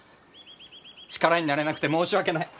力になれなくて申し訳ない。